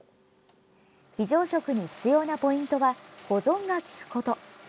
非常食に必要なポイントは保存がきくこと。